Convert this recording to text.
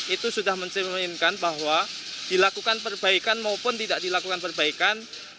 itu sudah mencerminkan bahwa dilakukan perbaikan maupun tidak dilakukan perbaikan